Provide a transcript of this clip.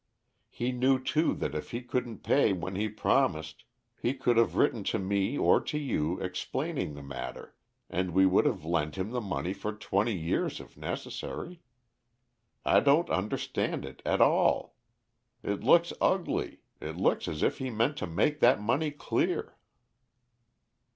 He knew too that if he couldn't pay when he promised he could have written to me or to you explaining the matter, and we would have lent him the money for twenty years if necessary. I don't understand it at all. It looks ugly. It looks as if he meant to make that money clear."